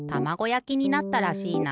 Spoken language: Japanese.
やきになったらしいな。